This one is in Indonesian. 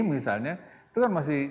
misalnya itu kan masih